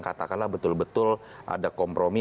katakanlah betul betul ada kompromi